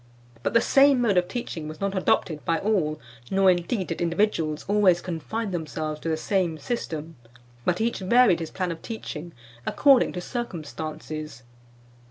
But the same mode of teaching was not adopted by all, nor, indeed, did individuals always confine themselves to the same system, but each varied his plan of teaching according to circumstances.